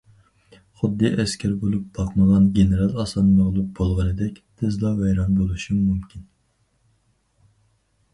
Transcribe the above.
خۇددى ئەسكەر بولۇپ باقمىغان گېنېرال ئاسان مەغلۇپ بولغىنىدەك، تېزلا ۋەيران بولۇشۇم مۇمكىن.